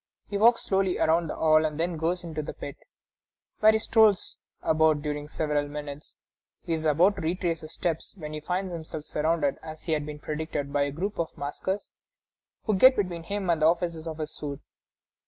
He walks slowly around the hall, and then goes into the pit, where he strolls about during several minutes. He is about to retrace his steps, when he finds himself surrounded, as had been predicted, by a group of maskers who get between him and the officers of his suite.